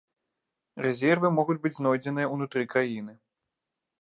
Рэзервы могуць быць знойдзеныя ўнутры краіны.